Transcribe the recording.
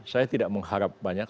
saya tidak ada wakil yang sangat banyak